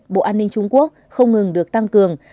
bộ an ninh trung quốc không ngừng được tăng cường